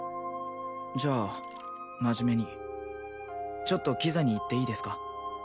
じゃあ真面目にちょっとキザに言っていいですか？